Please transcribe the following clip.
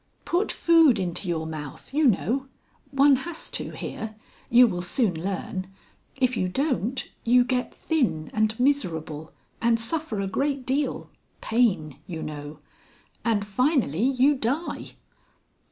"Put food into your mouth, you know. One has to here. You will soon learn. If you don't, you get thin and miserable, and suffer a great deal pain, you know and finally you die."